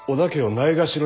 ないがしろ？